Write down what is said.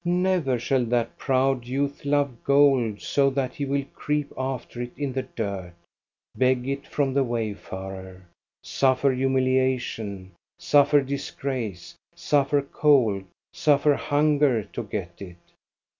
Never shall that proud youth love gold so that he will creep after it in the dirt, beg it from the wayfarer, suffer humilia tion, suffer disgrace, suffer cold, suffer hunger to get it.